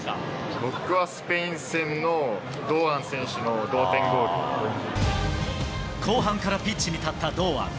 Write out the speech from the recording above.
僕は、スペイン戦の堂安選手後半からピッチに立った堂安。